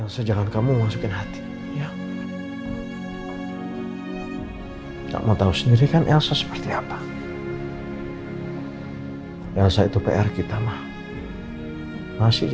saya gak mau denger apapun dari kamu